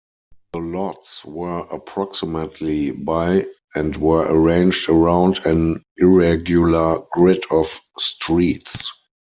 The lots were approximately by and were arranged around an irregular grid of streets.